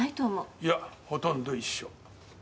いやほとんど一緒。